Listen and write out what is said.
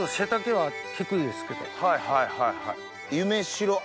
はいはいはいはい。